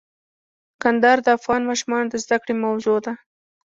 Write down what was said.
کندهار د افغان ماشومانو د زده کړې موضوع ده.